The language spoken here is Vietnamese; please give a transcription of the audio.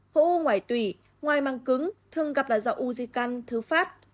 khổ u ngoài tùy ngoài màng cứng thường gặp là do u di can thư phát